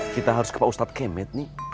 kita harus ke pak ustadz kemed nih